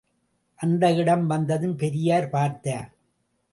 அந்த இடம், வந்ததும் பெரியார் பார்த்தார்.